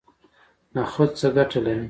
نخود څه ګټه لري؟